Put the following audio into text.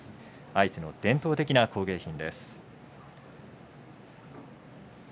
愛知の伝統的な工芸品です。